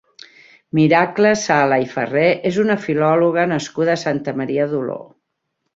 Miracle Sala i Farré és una filòloga nascuda a Santa Maria d'Oló.